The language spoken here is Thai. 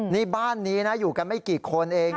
นี่บ้านนี้นะอยู่กันไม่กี่คนเอง